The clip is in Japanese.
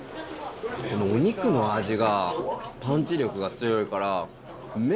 お肉の味がパンチ力が強いから。